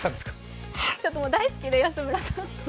大好きで、安村さん。